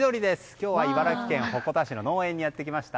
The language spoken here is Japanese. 今日は茨城県鉾田市の農園にやってきました。